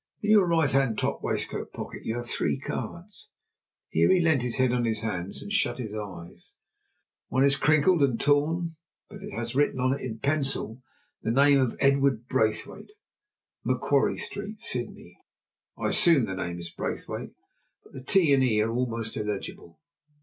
In your right hand top waistcoat pocket you have three cards." Here he leant his head on his hands and shut his eyes. "One is crinkled and torn, but it has written on it, in pencil, the name of Edward Braithwaite, Macquarrie Street, Sydney. I presume the name is Braithwaite, but the t and e are almost illegible.